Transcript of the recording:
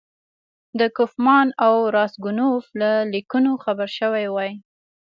د کوفمان او راسګونوف له لیکونو خبر شوی وای.